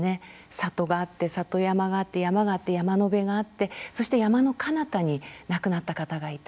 里があって里山があって山があって山野辺があってそして山のかなたに亡くなった方がいた。